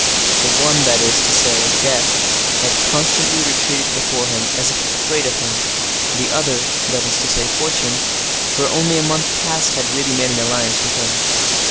The one—that is to say, death—had constantly retreated before him, as if afraid of him; the other—that is to say, fortune—for only a month past had really made an alliance with him.